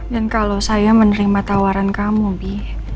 dan kalau saya menerima tawaran kamu bi